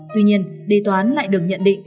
tuy nhiên đề toán lại được nhận định